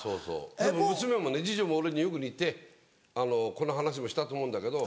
でも娘もね次女も俺によく似てこの話もしたと思うんだけど。